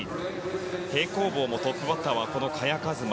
平行棒もトップバッターは萱和磨。